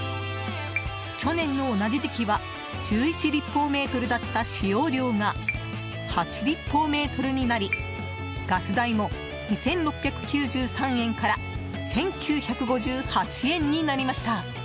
去年の同じ時期は１１立方メートルだった使用量が８立方メートルになりガス代も２６９３円から１９５８円になりました。